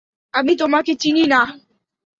আমি তোমাকে চিনি নাহ।